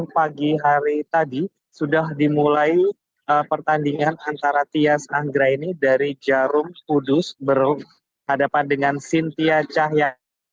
sepuluh pagi hari tadi sudah dimulai pertandingan antara tias anggra ini dari jarum kudus berhadapan dengan sintia cahya